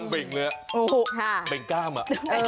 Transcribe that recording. เป็นกล้ามอ่ะ